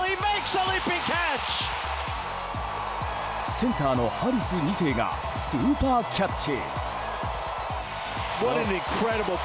センターのハリス２世がスーパーキャッチ！